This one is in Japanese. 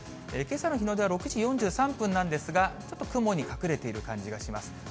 けさの日の出は６時４３分なんですが、ちょっと雲に隠れている感じがします。